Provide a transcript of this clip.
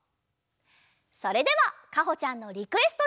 それではかほちゃんのリクエストで。